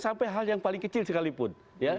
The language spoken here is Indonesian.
sampai hal yang paling kecil sekalipun